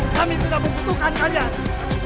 kami tidak membutuhkan kalian